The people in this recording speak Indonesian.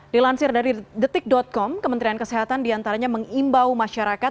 dilansir dari detik com kementerian kesehatan diantaranya mengimbau masyarakat